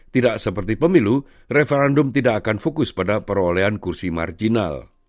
tidak seperti pemilu referendum tidak akan fokus pada perolehan kursi marginal